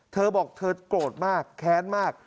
เธอบอกเธอโกรธมากแค้นมาก